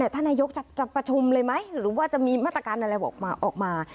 ท่านนายกจะประชุมเลยไหมหรือว่าจะมีมาตรการอะไรออกมา